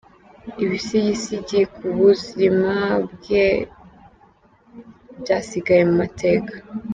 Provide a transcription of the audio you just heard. Ibisigisigi ku buzima bwe byasigaye mu mateka.